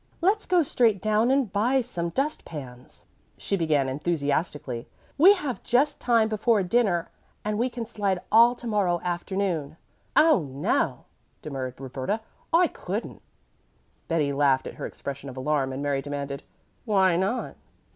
"Let's go straight down and buy some dust pans," she began enthusiastically. "We have just time before dinner, and we can slide all to morrow afternoon." "Oh, no," demurred Roberta. "I couldn't." Betty laughed at her expression of alarm, and Mary demanded, "Why not?"